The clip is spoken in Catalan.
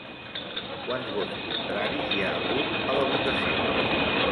Quants vots contraris hi ha hagut a la votació?